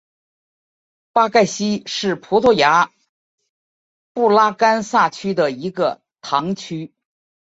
巴盖希是葡萄牙布拉干萨区的一个堂区。